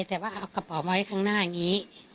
แต่ว่าเอากระเป๋ามาไว้ข้างหน้าอย่างนี้